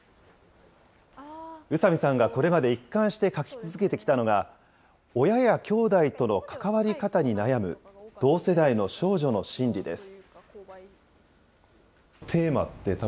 宇佐見さんがこれまで一貫して書き続けてきたのが、親やきょうだいとの関わり方に悩む、同世代の少女の心理です。